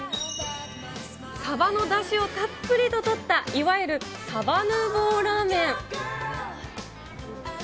サバのだしをたっぷりととった、いわゆる、サバヌーヴォーラーメン。